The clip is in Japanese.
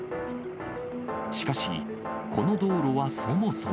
しかし、この道路はそもそも。